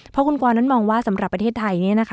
เพราะคุณกรนั้นมองว่าสำหรับประเทศไทย